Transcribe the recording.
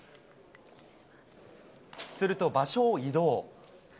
すると場所を移動。